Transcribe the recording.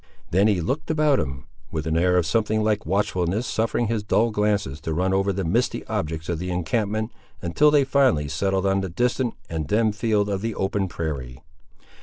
Then he looked about him, with an air of something like watchfulness, suffering his dull glances to run over the misty objects of the encampment until they finally settled on the distant and dim field of the open prairie.